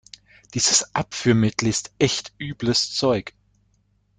Dieses Abführmittel ist echt übles Zeug.